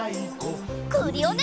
クリオネ！